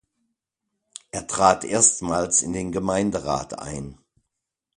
Er trat erstmals in den Gemeinderat ein.